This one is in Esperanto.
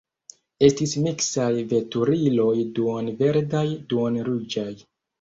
Estis miksaj veturiloj duon-verdaj, duon-ruĝaj.